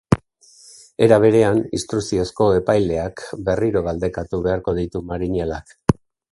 Era berean, instrukziozko epaileak berriro galdekatu beharko ditu marinelak.